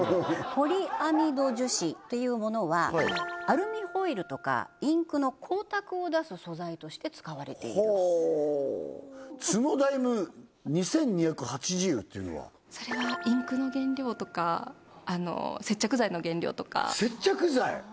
ポリアミド樹脂というものはアルミホイルとかインクの光沢を出す素材として使われているほうツノダイム２２８０っていうのはそれはインクの原料とか接着剤の原料とか接着剤！